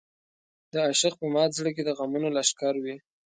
د عاشق په مات زړه کې د غمونو لښکر وي.